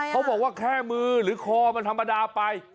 เขาบอกว่าแค่มือหรือคอมันธรรมดาไป